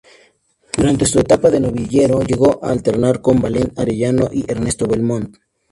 Durante su etapa de novillero llegó a alternar con Valente Arellano y Ernesto Belmont.